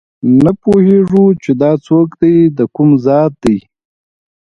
نه پوهېږو چې دا څوک دي دکوم ذات دي